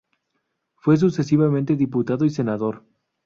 Fue sucesivamente Diputado y Senador.